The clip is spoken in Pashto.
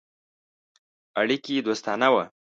اړیکي دوستانه وه.